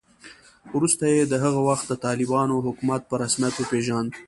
وروسته یې د هغه وخت د طالبانو حکومت په رسمیت وپېژاند